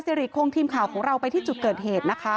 สิริคงทีมข่าวของเราไปที่จุดเกิดเหตุนะคะ